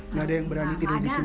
nggak ada yang berani tidur di sini